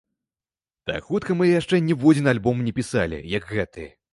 Так хутка мы яшчэ ніводзін альбом не пісалі, як гэты.